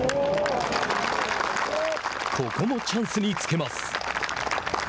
ここもチャンスにつけます。